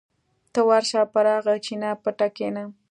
ته ورشه پر هغه چینه پټه کېنه.